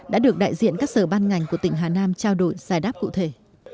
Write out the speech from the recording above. đã được đại diện các sở ban ngành của tỉnh hà nam trao đổi giải đáp cụ thể